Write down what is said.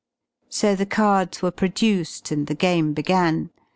So the cards were produced, and the game began.